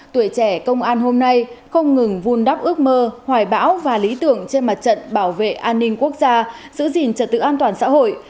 tuổi trẻ công an hôm nay không ngừng vun đắp ước mơ hoài bão và lý tưởng trên mặt trận bảo vệ an ninh quốc gia giữ gìn trật tự an toàn xã hội